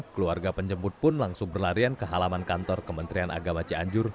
keluarga penjemput pun langsung berlarian ke halaman kantor kementerian agama cianjur